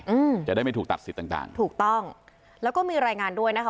อืมจะได้ไม่ถูกตัดสิทธิ์ต่างต่างถูกต้องแล้วก็มีรายงานด้วยนะคะ